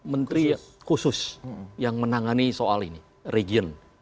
menteri khusus yang menangani soal ini region